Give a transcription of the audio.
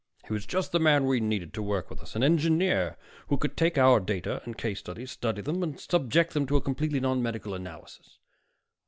He was just the man we needed to work with us, an engineer who could take our data and case histories, study them, and subject them to a completely nonmedical analysis.